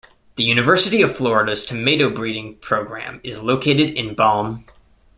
The University of Florida's Tomato Breeding Program is located in Balm.